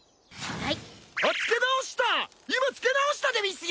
はい！